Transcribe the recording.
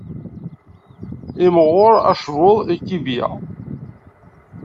Imɣur tecbuḍ lkibiya.